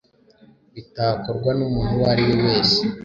bitakorwa n’umuntu uwo ari we wese.